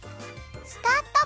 スタート！